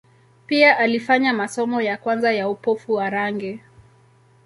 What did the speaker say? Pia alifanya masomo ya kwanza ya upofu wa rangi.